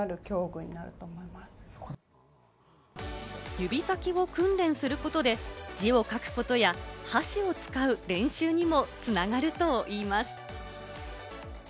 指先を訓練することで、字を書くことや箸を使う練習にも繋がるといいます。